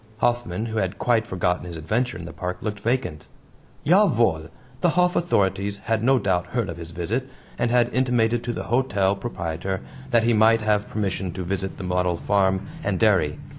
Hoffman, who had quite forgotten his adventure in the park, looked vacant. JA WOHL the Hof authorities had no doubt heard of his visit and had intimated to the hotel proprietor that he might have permission to visit the model farm and dairy.